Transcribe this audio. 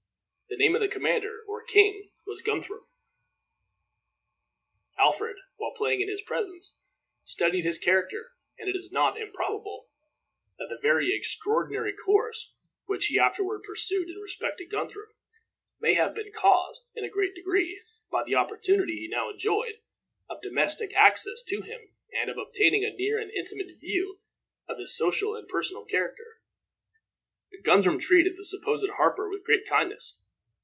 The name of the commander, or king, was Guthrum. Alfred, while playing in his presence, studied his character, and it is (not) improbable that the very extraordinary course which he afterward pursued in respect to Guthrum may have been caused, in a great degree, by the opportunity he now enjoyed of domestic access to him and of obtaining a near and intimate view of his social and personal character. Guthrum treated the supposed harper with great kindness.